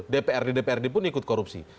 dprd dprd pun ikut korupsi